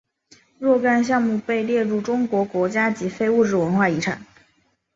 若干项目被列入中国国家级非物质文化遗产。